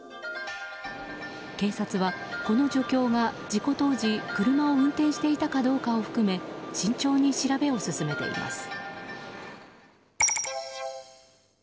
警察はこの助教が事故当時車を運転していたかどうかを含め慎重に調べを進めています。